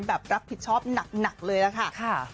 แบบรับผิดชอบหนักเลยล่ะค่ะ